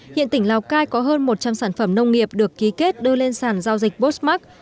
hiện tỉnh lào cai có hơn một trăm linh sản phẩm nông nghiệp được ký kết đưa lên sàn giao dịch bosmac